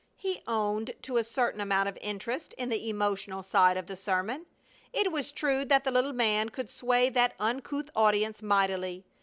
He owned to a certain amount of interest in the emotional side of the sermon. It was true that the little man could sway that uncouth audience mightily.